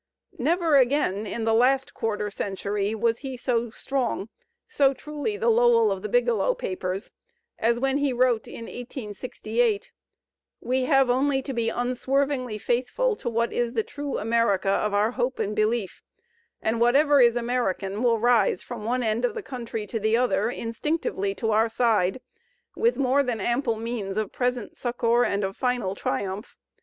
Never again in his last quarter century was he so strong, so truly the Lowell of "The Biglow Papers," as when he wrote in 1868: "We have only to be unswervingly faithful to what is the true America of our hope and belief, and whatever is American will rise from one end of the country to the other instinctively to our side, with more than ample means of present succour and of final triimiph.